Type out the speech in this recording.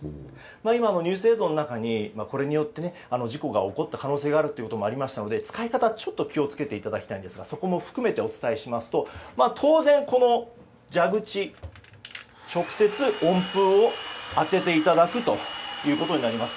今もニュース映像の中にこれによって事故が起こった可能性があるということもありましたので使い方はちょっと気を付けていただきたいんですがそこも含めてお伝えしますと当然、蛇口に直接、温風を当てていただくことになります。